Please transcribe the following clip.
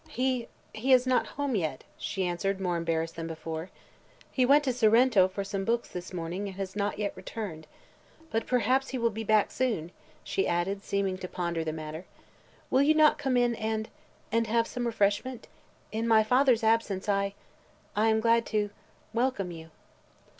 "He he is not home yet," she answered more embarrassed than before. "He went to Sorrento for some books, this morning, and has not yet returned. But perhaps he will be back soon," she added, seeming to ponder the matter. "Will you not come in and and have some refreshment? In my father's absence I I am glad to welcome you."